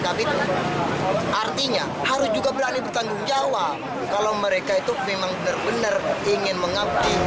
tapi artinya harus juga berani bertanggung jawab kalau mereka itu memang benar benar ingin mengabdi